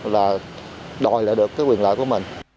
là đòi lại được cái quyền lợi của mình